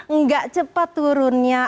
enggak cepat turunnya